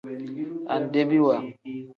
Andebiwa.